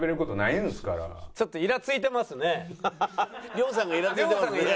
亮さんがイラついてますね。